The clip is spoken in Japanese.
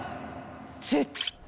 絶対！